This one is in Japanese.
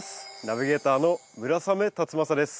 ナビゲーターの村雨辰剛です。